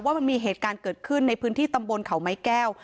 มันมีเหตุการณ์เกิดขึ้นในพื้นที่ตำบลเขาไม้แก้ว